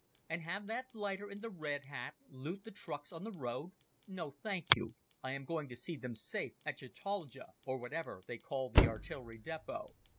"And have that blighter in the red hat loot the trucks on the road? No, thank you. I am going to see them safe at Chataldja, or whatever they call the artillery depot."